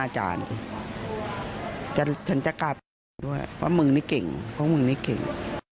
อ๋อฉันจะกลับด้วยมึงนี่เก่ง